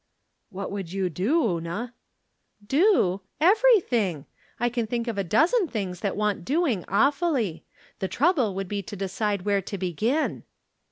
" What would you do, Una ?"" Do ! Everything. I can think of a dozen things that want doing awfully. The trouble would be to decide where to begin."